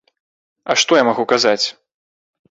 А што я магу казаць?